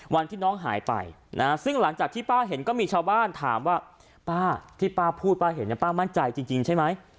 วันที่น้องหายไปซึ่งหลังจากที่ป้าเห็นก็มีชาวบ้านถามว่าป้าที่ป้าพูดป้าเห็นป้ามั่นใจจริงใช่ไหม